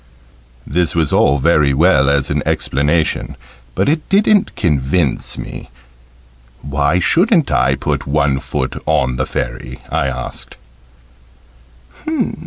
This was all very well as an explanation, but it didn't convince me. "Why shouldn't I put one foot on the Fairy?" I asked.